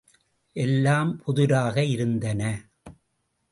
எல்லாம் புதிராக இருந்தன.